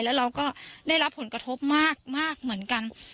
แล้วเราก็ได้รับผลกระทบมากเหมือนกัน